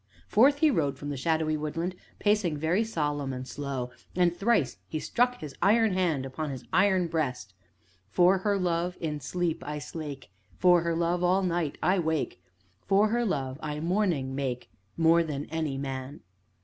Forth he rode from the shadowy woodland, pacing very solemn and slow; and thrice he struck his iron hand upon his iron breast. "For her love, in sleep I slake, For her love, all night I wake, For her love, I mourning make More than any man!"